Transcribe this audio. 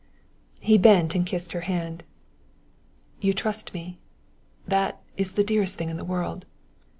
He bent and kissed her hand. "You trust me; that is the dearest thing in the world."